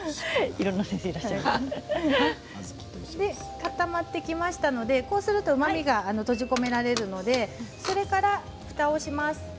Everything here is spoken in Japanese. かたまってきましたのでこうするとうまみが閉じ込められるのでふたをします。